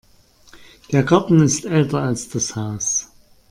Der Garten ist älter als das Haus.